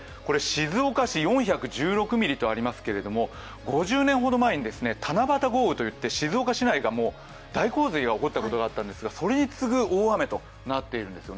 静岡市４１６ミリとありますけれども５０年ほど前に七夕豪雨といって静岡市内が大洪水が起こったことがあったんですが、それに次ぐ大雨となっているんです。